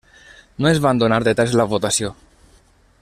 No es van donar detalls de la votació.